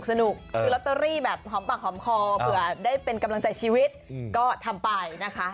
สนุกคือลอตเตอรี่แบบหอมปากหอมคอเผื่อได้เป็นกำลังใจชีวิตก็ทำไปนะคะ